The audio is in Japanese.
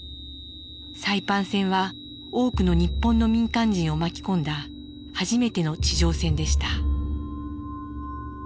サイパン戦は多くの日本の民間人を巻き込んだ初めての地上戦でした。